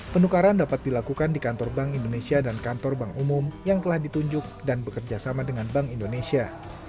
penukaran dapat dilakukan di kantor bank indonesia dan kantor bank umum yang telah ditunjuk dan bekerjasama dengan bank indonesia